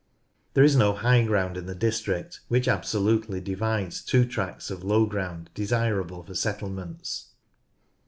There is no high ground in the district which absolutely divides two tracts of low ground desirable for settlements.